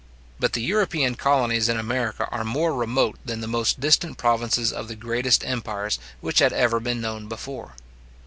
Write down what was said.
But the European colonies in America are more remote than the most distant provinces of the greatest empires which had ever been known before.